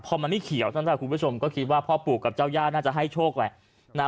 พอมันไม่เขียวคุณผู้ชมก็คิดว่าพ่อปลูกกับเจ้าญาติน่าจะให้โชคแหละ